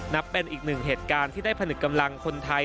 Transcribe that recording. นับเป็นอีกหนึ่งเหตุการณ์ที่ได้ผนึกกำลังคนไทย